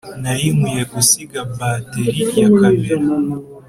nari nkwiye gusiga bateri ya kamera.